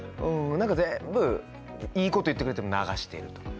何か全部いいこと言ってくれても流してるとか。